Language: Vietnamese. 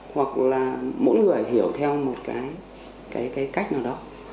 hoặc là mỗi người hiểu theo một cái cách nào đó